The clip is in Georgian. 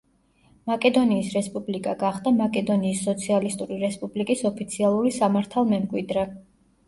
მაკედონიის რესპუბლიკა გახდა მაკედონიის სოციალისტური რესპუბლიკის ოფიციალური სამართალმემკვიდრე.